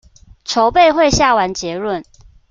籌備會下完結論